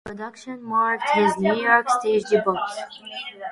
The production marked his New York stage debut.